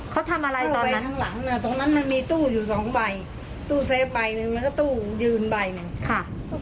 ข้างหลังตรงนั้นมันมีตู้อยู่๒ใบตู้เส้นใบหนึ่งแล้วก็ตู้ยืนใบหนึ่ง